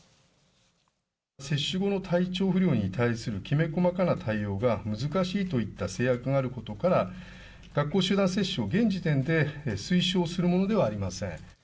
接種後の体調不良に対するきめ細かな対応が難しいといった制約があることから、学校集団接種を、現時点で推奨するものではありません。